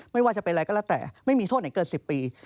ไม่ว่าจะเป็นอะไรก็แล้วแต่ไม่มีโทษไหนเกิน๑๐ปี